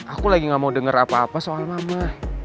aku lagi gak mau denger apa apa soal mama